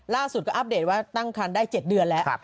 ล่าสุดก็อัปเดตว่าตั้งคันได้๗เดือนแล้ว